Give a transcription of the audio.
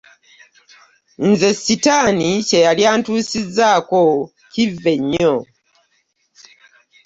Nze Setaani kye yali antuusizzaako kivve nnyo.